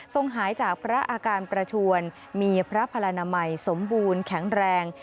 หายจากพระอาการประชวนมีพระพลนามัยสมบูรณ์แข็งแรง